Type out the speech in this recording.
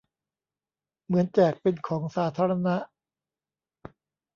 เหมือนแจกเป็นของสาธารณะ